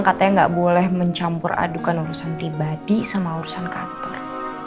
katanya nggak boleh mencampur adukan urusan pribadi sama urusan kantor